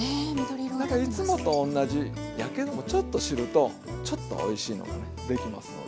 いつもとおんなじやけどもちょっと知るとちょっとおいしいのがねできますので。